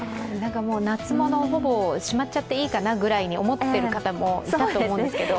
夏物、ほぼしまっちゃっていいかなと思ってる方もいたと思うんですけど。